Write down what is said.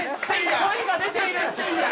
声が出ている。